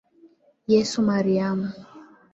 Yesu Mariamu.